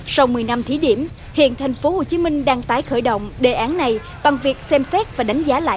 sau một mươi năm thí điểm hiện tp hcm đang tái khởi động đề án này bằng việc xem xét và đánh giá lại